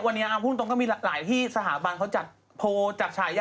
วันนี้ก็บางที่สถาบันเกี่ยวมากมาย